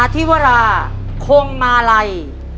ธิวราคงมาลัย